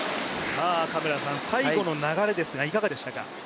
嘉村さん、最後の流れでしたが、いかがでしたか？